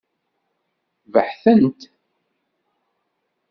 Beḥtent-t.